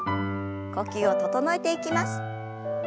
呼吸を整えていきます。